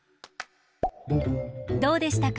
どうでしたか？